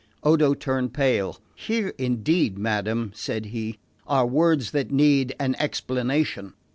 Odo turned pale. "Here indeed, madam," said he, "are words that need an explanation."